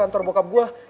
nah aja puan